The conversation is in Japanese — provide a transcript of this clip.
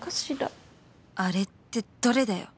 あれってどれだよ